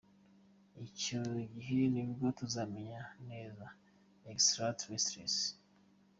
Icyo gihe nibwo tuzamenya neza Extra-terrestres.